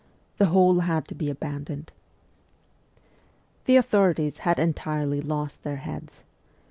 The whole had to be abandoned. The authorities had entirely lost their heads.